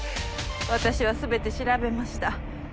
私はすべて調べました。